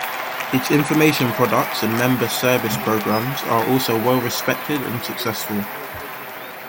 Its information products and member service programs are also well respected and successful.